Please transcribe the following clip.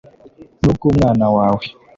n ubw umwana wawe